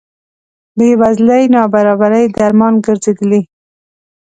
بې وزلۍ نابرابرۍ درمان ګرځېدلي.